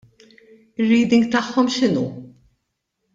Ir-reading tagħhom x'inhu?